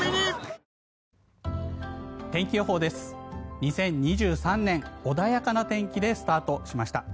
２０２３年、穏やかな天気でスタートしました。